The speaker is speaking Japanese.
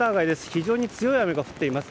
非常に強い雨が降っています。